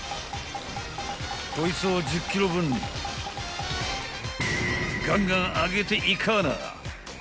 ［こいつを１０ｋｇ分ガンガン揚げていかな！］